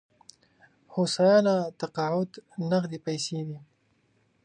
هوساینه تقاعد نغدې پيسې دي.